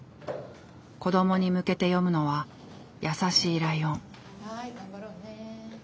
子どもに向けて読むのは「やさしいライオン」。